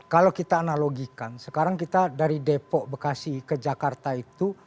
kalau kita analogikan sekarang kita dari depok bekasi ke jakarta itu